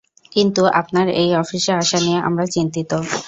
কিন্তু আপনার এই অফিসে আসা নিয়ে আমরা চিন্তিত।